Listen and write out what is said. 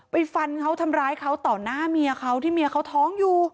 ฟันเขาทำร้ายเขาต่อหน้าเมียเขาที่เมียเขาท้องอยู่